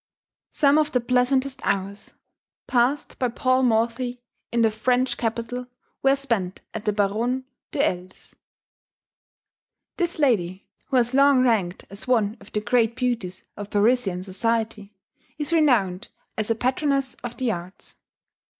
Some of the pleasantest hours passed by Paul Morphy in the French capital were spent at the Baronne de L.'s. This lady, who has long ranked as one of the great beauties of Parisian society, is renowned as a patroness of the arts.